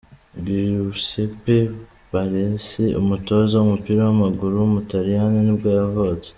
Giuseppe Baresi, umutoza w’umupira w’amaguru w’umutaliyani ni bwo yavutse.